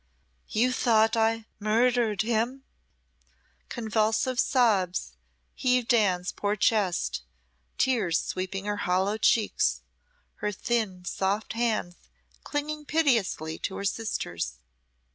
"You thought I murdered him?" Convulsive sobs heaved Anne's poor chest, tears sweeping her hollow cheeks, her thin, soft hands clinging piteously to her sister's.